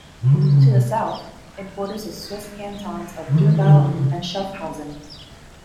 To the south it borders the Swiss cantons Thurgau and Schaffhausen.